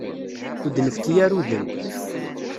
Ur d-nefki ara udem.